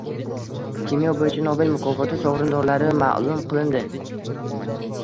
Kimyo bo‘yicha Nobel mukofoti sovrindorlari ma’lum qilindi